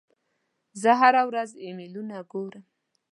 زه هره ورځ ایمیلونه ګورم.